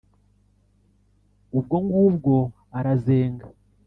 Ubwo ngubwo arazenga